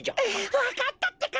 わかったってか！